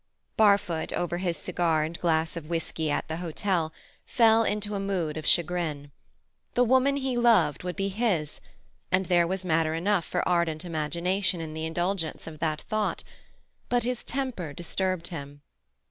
Barfoot, over his cigar and glass of whisky at the hotel, fell into a mood of chagrin. The woman he loved would be his, and there was matter enough for ardent imagination in the indulgence of that thought; but his temper disturbed him.